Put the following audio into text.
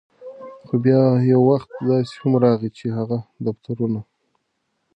خو بیا یو وخت داسې هم راغے، چې هغه دفترونه